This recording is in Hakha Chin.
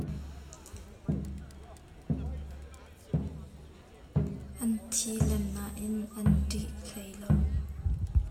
An ṭhih len nain a ṭih hlei lo.